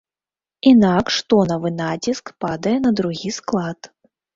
Інакш тонавы націск падае на другі склад.